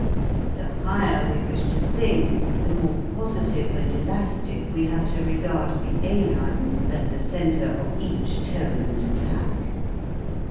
The higher we wish to sing, the more positive and elastic we have to regard the a line as the centre of each tone and attack.